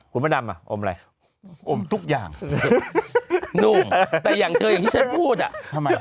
คุณพระดำอ่ะอมอะไรอมทุกอย่างหนุ่มแต่อย่างเธออย่างที่ฉันพูดอ่ะทำไม